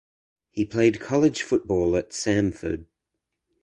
He played college football at Samford.